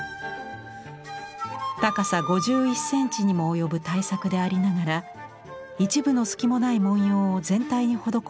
高さ５１センチにも及ぶ大作でありながら一分の隙もない文様を全体に施した巧みなデザイン。